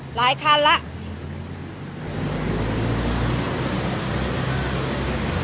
หลายคันแล้ว